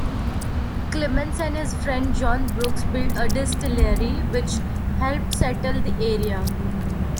Clemens and his friend, John Brooks, built a distillery, which helped settle the area.